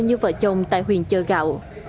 như vợ chồng tại huyền chơ gạo